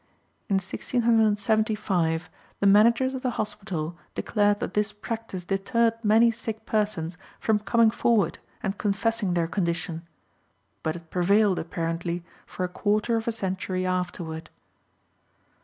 In 1675 the managers of the hospital declared that this practice deterred many sick persons from coming forward and confessing their condition; but it prevailed, apparently, for a quarter of a century afterward.